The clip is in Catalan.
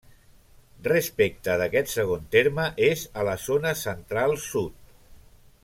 Respecte d'aquest segon terme, és a la zona central-sud.